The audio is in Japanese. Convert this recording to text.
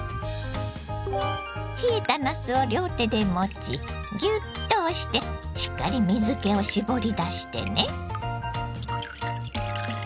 冷えたなすを両手で持ちギュッと押してしっかり水けを絞り出してね。